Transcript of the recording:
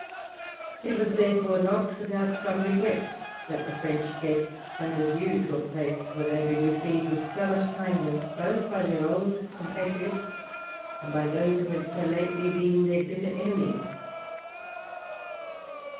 It was, therefore, not without some regret that the French guests bade adieu to a place where they had been received with so much kindness both by their old compatriots and by those who had so lately been their bitter enemies.